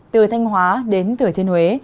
từ thanh hóa đến thừa thiên huế